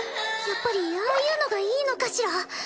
やっぱりああいうのがいいのかしら？